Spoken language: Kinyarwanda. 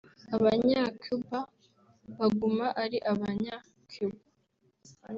abanya-Cuba baguma ari abanya -Cuba"